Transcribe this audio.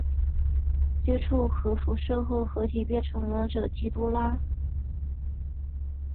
接触核辐射后合体变成王者基多拉。